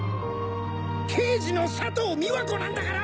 刑事の佐藤美和子なんだから！